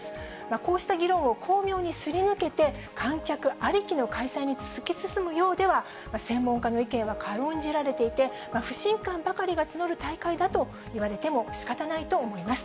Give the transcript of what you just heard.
こうした議論を巧妙にすり抜けて、観客ありきの開催に突き進むようでは、専門家の意見は軽んじられていて、不信感ばかりが募る大会だと言われてもしかたないと思います。